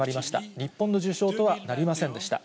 日本の受賞とはなりませんでした。